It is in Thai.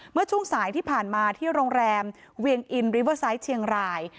เมื่อช่วงสายที่ผ่านมาที่โรงแรมเวียงอินริเวอร์ไซต์เชียงราย